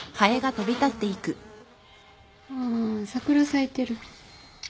ああ桜咲いてる。